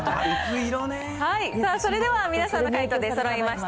それでは、皆さんの解答、出そろいました。